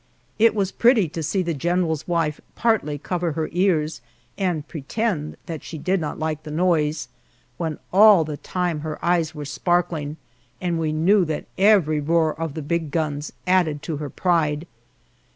It was pretty to see the general's wife partly cover her ears, and pretend that she did not like the noise, when all the time her eyes were sparkling, and we knew that every roar of the big guns added to her pride.